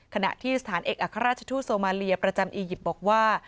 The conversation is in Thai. ขณะที่สถานเอกอัครราชทูตโซมาเลียประจำอียิปต์บอกว่า